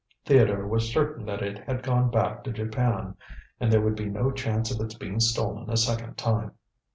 Theodore was certain that it had gone back to Japan, and there would be no chance of its being stolen a second time.